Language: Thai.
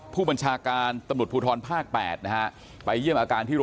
ผู้บรรชาการตำหนุดภูทรภาคแปด